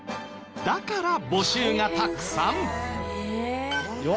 だから募集がたくさん。